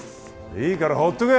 いいから放っとけ！